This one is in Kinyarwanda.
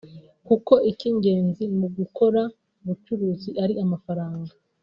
kuko icy’ingenzi mu gukora ubucuruzi ari amafaranga